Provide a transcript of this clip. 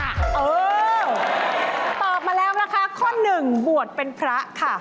เออตอบมาแล้วนะคะข้อหนึ่งบวชเป็นพระค่ะ